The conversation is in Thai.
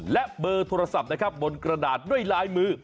และเบอร์โทรศัพท์นะครับบนกระดาษด้วยลายมือ